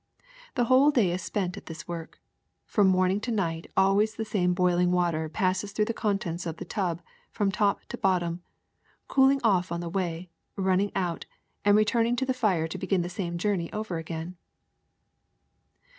The whole day is spent at this work. From morning to night always the same boiling water passes through the contents of the tub from top to bottom, cooling off on the way, running out, and returning to the fire to begin the same journey over again.